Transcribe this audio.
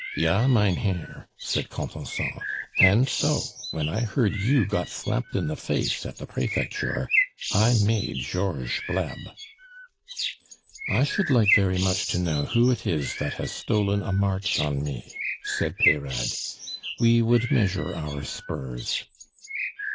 "Ja, mein Herr," said Contenson. "And so, when I heard you got slapped in the face at the Prefecture, I made Georges blab." "I should like very much to know who it is that has stolen a march on me," said Peyrade. "We would measure our spurs!"